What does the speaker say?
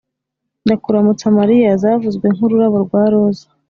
ndakuramutsa mariya zavuzwe nk’ururabo rwa roza